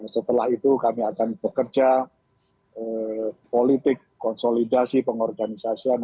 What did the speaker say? setelah itu kami akan bekerja politik konsolidasi pengorganisasian